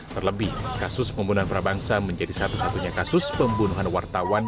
terlebih kasus pembunuhan prabangsa menjadi satu satunya kasus pembunuhan wartawan